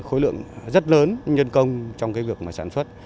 khối lượng rất lớn nhân công trong việc sản xuất